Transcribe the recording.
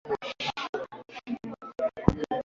Asia hasa China na Japani Katika vita dhidi Hispania